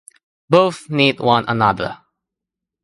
Both need one another.